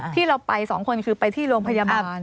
ที่เราไป๒คนคือไปที่โรงพยาบาล